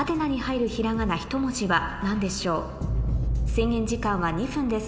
制限時間は２分です